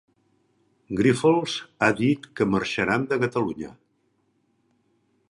Grífols ha dit que marxaran de Catalunya.